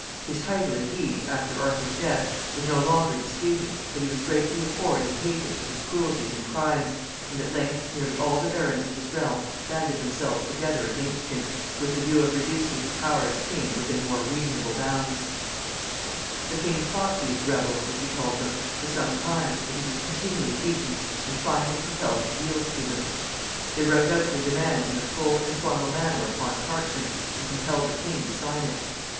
His title, indeed, after Arthur's death, was no longer disputed, but he was greatly abhorred and hated for his cruelties and crimes, and at length nearly all the barons of his realm banded themselves together against him, with the view of reducing his power as king within more reasonable bounds. [Illustration: KING JOHN.] The king fought these rebels, as he called them, for some time, but he was continually beaten, and finally compelled to yield to them. They wrote out their demands in a full and formal manner upon parchment, and compelled the king to sign it.